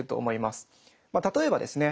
例えばですね